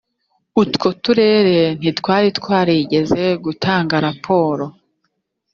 utwo turere ntitwari twarigeze gutanga raporo